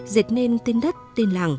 dệt nên tên đất tên làng